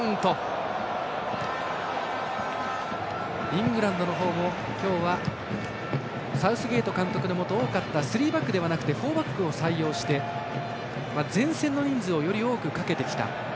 イングランドのほうも今日はサウスゲート監督のもと多かったスリーバックではなくフォーバックを採用して前線の人数をより多くかけてきた。